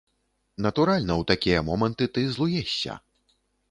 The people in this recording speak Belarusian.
Натуральна, у такія моманты ты злуешся.